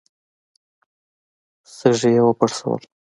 سږي يې وپړسول.